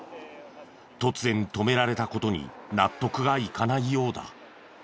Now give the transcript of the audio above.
突然止められた事に納得がいかないようだ。